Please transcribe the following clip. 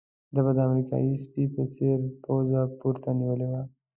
ده به د امریکایي سپي په څېر پوزه پورته نيولې وه.